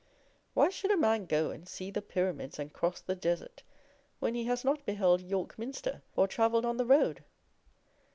Why should a man go and see the pyramids and cross the desert, when he has not beheld York Minster or travelled on the Road!